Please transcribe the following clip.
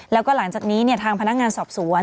แล้วก็หลังจากนี้ทางพนักงานสอบสวน